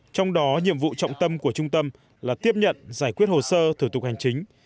trong đó nhiệm vụ trọng tâm của trung tâm là tiếp nhận giải quyết hồ sơ thủ tục hành chính